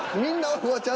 フワちゃん。